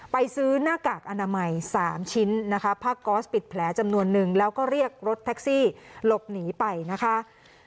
ไปซื้อหน้ากากอนามัย๓ชิ้นนะคะผ้าก๊อสปิดแผลจำนวนนึงแล้วก็เรียกรถแท็กซี่หลบหนีไปนะคะ